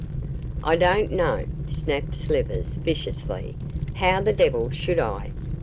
'I don't know,' snapped Slivers, viciously; 'how the devil should I?